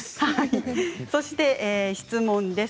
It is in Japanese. そして質問です。